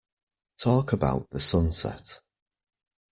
Talk about the sunset.